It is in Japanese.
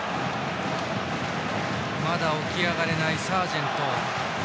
まだ起き上がれないサージェント。